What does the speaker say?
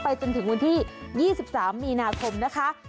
จนถึงวันที่๒๓มีนาคมนะคะ